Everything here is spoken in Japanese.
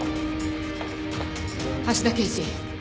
橋田刑事